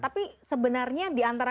tapi sebenarnya diantara